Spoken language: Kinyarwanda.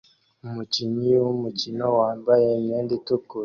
Umukinyi wumukino wambaye imyenda itukura